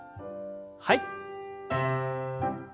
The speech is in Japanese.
はい。